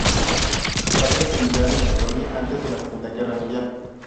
Sus padres emigraron de Polonia antes de la Segunda Guerra Mundial.